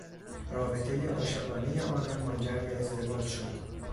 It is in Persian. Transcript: رابطهی عاشقانهی آنان منجر به ازدواج شد.